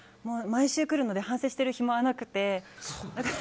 毎週来るので反省してる暇はなくて。